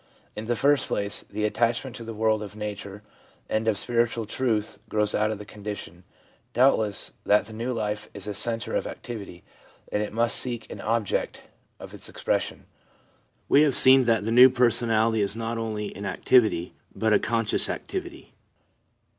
In the first place, the attachment to the world of nature and of spiritual truth grows out of the condition, doubtless, that the new life is a centre of activity, and it must seek an object of its expression. We have seen that the new personality is not only an activity, but a con scious activity.